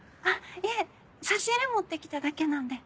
いえ差し入れ持ってきただけなんで。